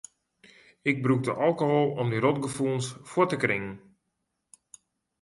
Ik brûkte alkohol om dy rotgefoelens fuort te kringen.